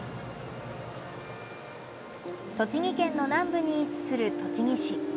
栃木県の南部に位置する栃木市。